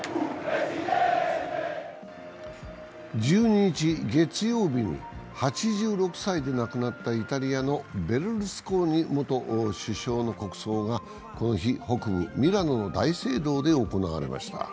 １２日、月曜日に８６歳で亡くなったイタリアのベルルルスコーニ元首相の国葬がこの日、北部ミラノの大聖堂で行われました。